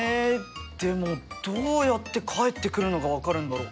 でもどうやって帰ってくるのが分かるんだろ？